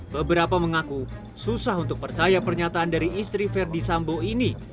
beberapa mengaku susah untuk percaya pernyataan dari istri verdi sambo ini